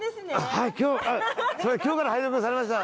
はい今日から配属されました。